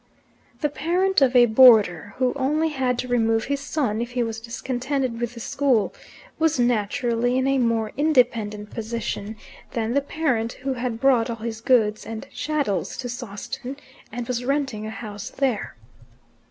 The parent of a boarder, who only had to remove his son if he was discontented with the school, was naturally in a more independent position than the parent who had brought all his goods and chattels to Sawston, and was renting a house there.